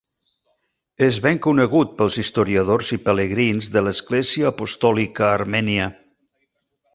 És ben conegut pels historiadors i pelegrins de l'Església Apostòlica Armènia.